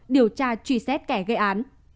điều tra truy xét kẻ gây án